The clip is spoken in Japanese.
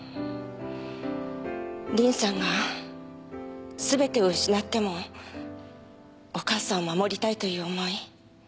凛さんが全てを失ってもお母さんを守りたいという思い